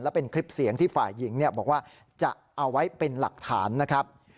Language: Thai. และเป็นคลิปเสียงที่ฝ่ายหญิงบอกว่าจะเอาไว้เป็นหลักฐานนะครับ